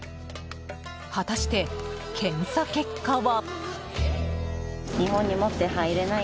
果たして、検査結果は？